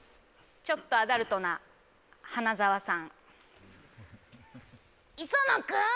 ちょっとアダルトな花沢さん。